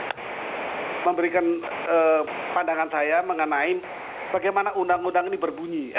saya memberikan pandangan saya mengenai bagaimana undang undang ini berbunyi